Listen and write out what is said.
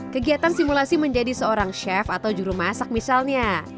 kegiatan simulasi menjadi seorang chef atau juru masak misalnya